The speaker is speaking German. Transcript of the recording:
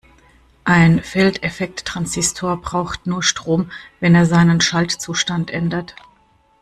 Ein Feldeffekttransistor braucht nur Strom, wenn er seinen Schaltzustand ändert.